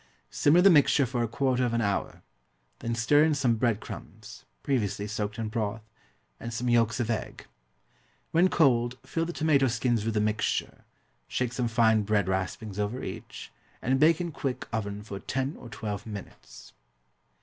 Simmer the mixture for a quarter of an hour, then stir in some bread crumbs, previously soaked in broth, and some yolks of egg. When cold, fill the tomato skins with the mixture, shake some fine bread raspings over each, and bake in quick oven for ten or twelve minutes.